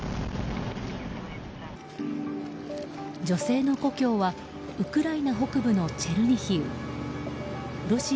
女性の故郷はウクライナ北部のチェルニヒウ。